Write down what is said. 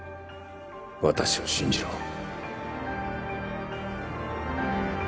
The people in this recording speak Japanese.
私を信じろ